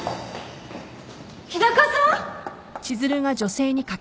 日高さん！